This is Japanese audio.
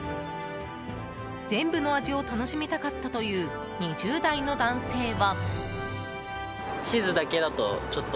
全部の味を楽しみたかったという２０代の男性は。